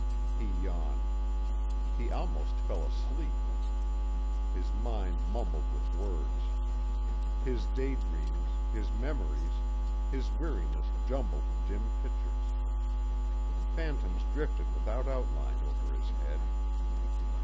He yawned. He almost fell asleep. His mind mumbled with words. His day dreams, his memories, his weariness jumbled dim pictures. Phantoms drifted without outline over his head.